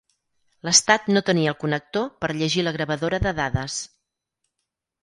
L'estat no tenia el connector per llegir la gravadora de dades.